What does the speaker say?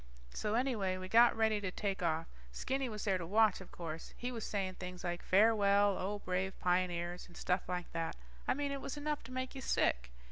So anyway, we got ready to take off. Stinky was there to watch, of course. He was saying things like, farewell, O brave pioneers, and stuff like that. I mean it was enough to make you sick.